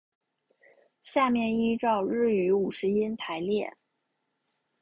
下面依照日语五十音排列。